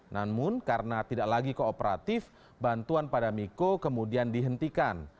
namun karena tidak lagi kooperatif bantuan pada miko kemudian dihentikan